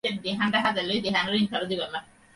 এটা কি লাকি নাকি নয়?